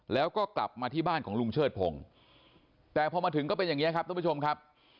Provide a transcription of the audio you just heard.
แล้วก็กลับมาที่บ้านของลุงเชิดพงศ์แต่พอมาถึงก็เป็นอย่างนี้ครับท่านผู้ชมครับ